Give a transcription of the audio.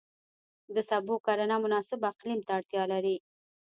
د سبو کرنه مناسب اقلیم ته اړتیا لري.